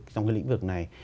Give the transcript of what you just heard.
trong cái lĩnh vực này